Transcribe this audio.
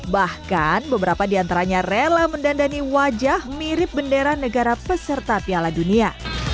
bahkan beberapa di antaranya rela mendandani wajah mirip bendera negara peserta piala dunia